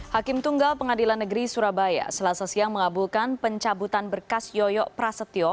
hakim tunggal pengadilan negeri surabaya selasa siang mengabulkan pencabutan berkas yoyo prasetyo